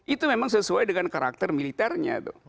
itu memang sesuai dengan karakter militernya